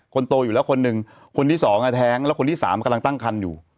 คนโตอยู่แล้วคนหนึ่งคนที่สองอ่ะแท้งแล้วคนที่สามกำลังตั้งคันอยู่